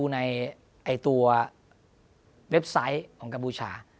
ในตัวเว็บไซต์ของกัมพูชา